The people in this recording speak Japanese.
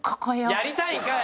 やりたいんかい！